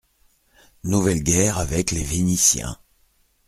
- Nouvelle guerre avec les Vénitiens.